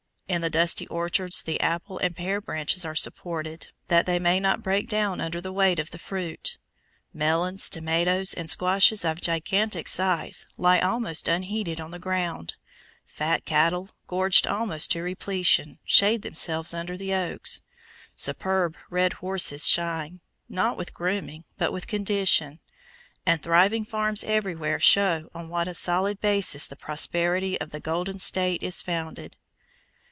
In the dusty orchards the apple and pear branches are supported, that they may not break down under the weight of fruit; melons, tomatoes, and squashes of gigantic size lie almost unheeded on the ground; fat cattle, gorged almost to repletion, shade themselves under the oaks; superb "red" horses shine, not with grooming, but with condition; and thriving farms everywhere show on what a solid basis the prosperity of the "Golden State" is founded.